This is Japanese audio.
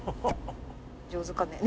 上手かね。